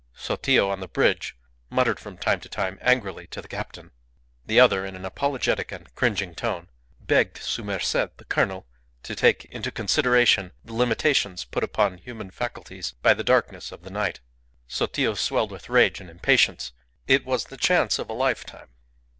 Sotillo, on the bridge, muttered from time to time angrily to the captain. The other, in an apologetic and cringing tone, begged su merced the colonel to take into consideration the limitations put upon human faculties by the darkness of the night. Sotillo swelled with rage and impatience. It was the chance of a lifetime.